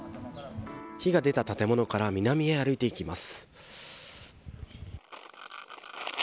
火が出た建物から南へ歩いていきます。